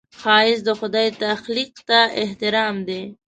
ښایست د خدای تخلیق ته احترام دی